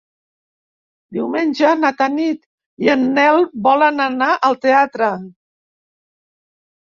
Diumenge na Tanit i en Nel volen anar al teatre.